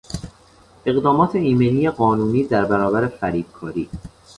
اقدامات ایمنی قانونی در برابر فریبکاری